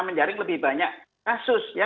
menjaring lebih banyak kasus ya